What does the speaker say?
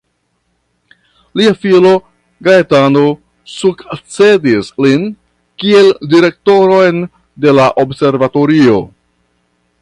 Lia filo, Gaetano, sukcedis lin kiel direktoron de la observatorio.